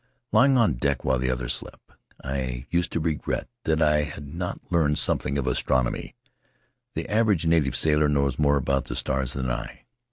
Lying on deck while the others slept, I used to regret that I had not learned something of astronomy — the average native sailor knows more about the stars than I.